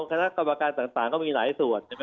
คณะกรรมการต่างก็มีหลายส่วน